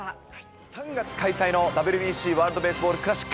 ３月開催のＷＢＣ・ワールドベースボールクラシック。